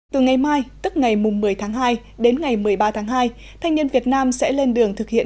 từ ngày mai tức ngày một mươi tháng hai đến ngày một mươi ba tháng hai thanh niên việt nam sẽ lên đường thực hiện